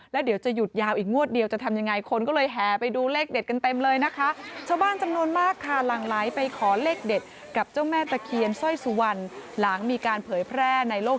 แล้วเดี๋ยวจะหยุดยาวอีกงวดเดียวจะทำอย่างไร